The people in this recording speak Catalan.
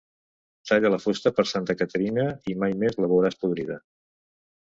Talla la fusta per Santa Caterina i mai més la veuràs podrida.